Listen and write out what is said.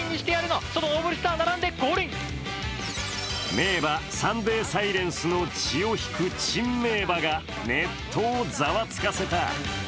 名馬サンデーサイレンスの血を引く珍名馬がネットをざわつかせた。